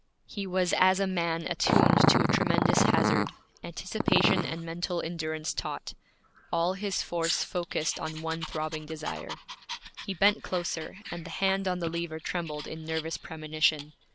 He was as a man attuned to a tremendous hazard, anticipation and mental endurance taut, all his force focused on one throbbing desire. He bent closer, and the hand on the lever trembled in nervous premonition.